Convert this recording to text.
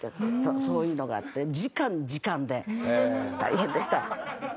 そういうのがあって時間時間で大変でした。